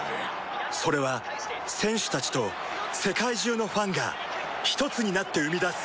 それは選手たちと世界中のファンがひとつになって生み出す